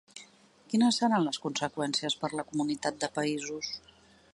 Quines seran les conseqüències per a la comunitat de països?